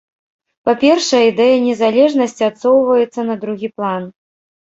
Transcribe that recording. Па-першае, ідэя незалежнасці адсоўваецца на другі план.